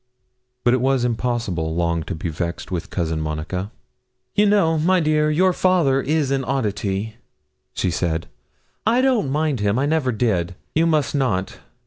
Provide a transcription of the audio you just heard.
But it was impossible long to be vexed with Cousin Monica. 'You know, my dear, your father is an oddity,' she said. 'I don't mind him I never did. You must not.